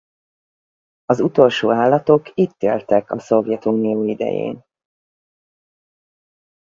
Az utolsó állatok itt éltek a Szovjetunió idején.